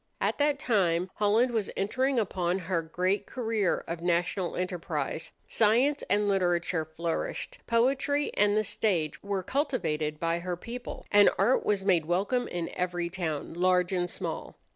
At that time Holland was entering upon her great career of national enterprise. Science and literature flourished, poetry and the stage were cultivated by her people, and art was made welcome in every town, large and small.